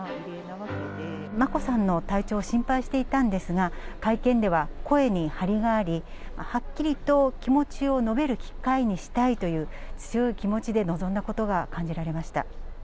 眞子さんの体調を心配していたんですが、会見では声に張りがあり、はっきりと気持ちを述べる機会にしたいという、強い気持ちで臨んだことが感じられました。